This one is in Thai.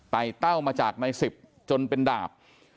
เต้ามาจากใน๑๐จนเป็นดาบ